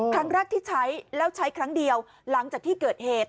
ครั้งแรกที่ใช้แล้วใช้ครั้งเดียวหลังจากที่เกิดเหตุ